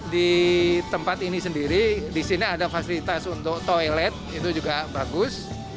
di tempat ini sendiri di sini ada fasilitas untuk toilet itu juga bagus